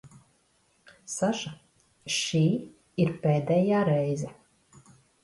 Saša, šī ir pēdējā reize.